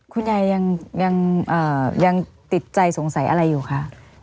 คุณยายยังติดใจสงสัยอะไรอยู่คะ